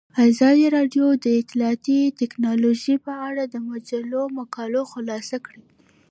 ازادي راډیو د اطلاعاتی تکنالوژي په اړه د مجلو مقالو خلاصه کړې.